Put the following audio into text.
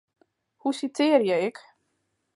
Hoe sitearje ik?